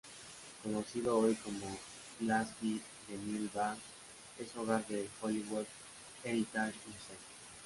Conocido hoy como el Lasky-DeMille Barn, es hogar del Hollywood Heritage Museum.